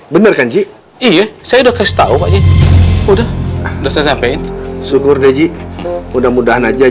bener kan sih iya saya udah kasih tahu udah udah saya sampaikan syukur di mudah mudahan aja